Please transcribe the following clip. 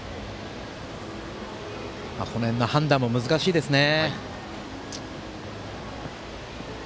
この辺の判断も難しいですね。